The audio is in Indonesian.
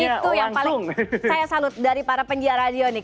itu yang paling saya salut dari para penjiar radio nih